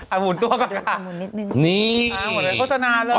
อะหมุนตัวกันค่ะ